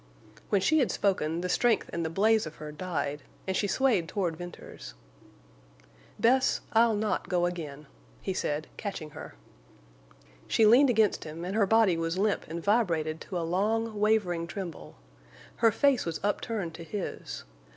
When she had spoken, the strength and the blaze of her died, and she swayed toward Venters. "Bess, I'll not go again," he said, catching her. [Illustration: "Bess, I'll not go again"] She leaned against him, and her body was limp and vibrated to a long, wavering tremble. Her face was upturned to his.